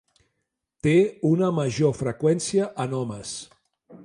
Té una major freqüència en homes.